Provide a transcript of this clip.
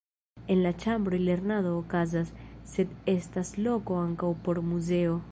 En la ĉambroj lernado okazas, sed estas loko ankaŭ por muzeo.